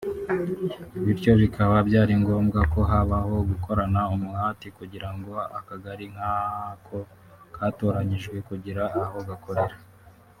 bityo bikaba byari ngombwa ko habaho gukorana umuhati kugira ngo akagari nk’ ako katoranyijwe kagire aho gakorera